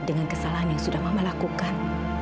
dengan kesalahan yang sudah mama lakukan